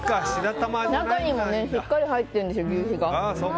中にもしっかり入ってるんです求肥が。